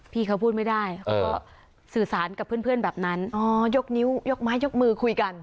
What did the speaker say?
พี่เขาพูดไม่ได้เขาก็สื่อสารกับเพื่อนแบบนั้นอ๋อยกนิ้วยกไม้ยกมือคุยกัน